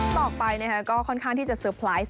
ต่อไปก็ค่อนข้างที่จะเซอร์ไพรส์